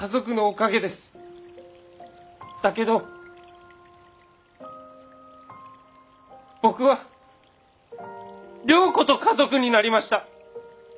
だけど僕は良子と家族になりました。